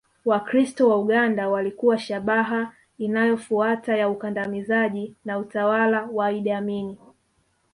Wakristo wa Uganda walikuwa shabaha inayofuata ya ukandamizaji na utawala wa Idi Amin